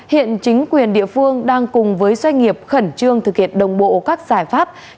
hiện chính quyền địa phương đang cùng với doanh nghiệp khẩn trương thực hiện đồng bộ các giải pháp